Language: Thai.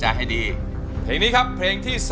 อันดับนี้เป็นแบบนี้